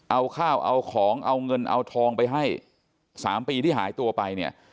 เอาข้าวเอาของเอาเงินเอาทองไปให้๓ปีที่หายตัวไปเนี่ย